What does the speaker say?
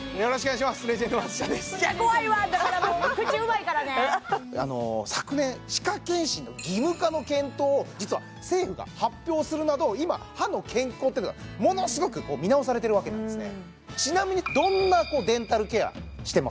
いや怖いわだからもう口うまいからね昨年歯科健診の義務化の検討を実は政府が発表するなど今歯の健康っていうのがものすごく見直されてるわけなんですね